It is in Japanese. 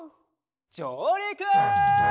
じょうりく！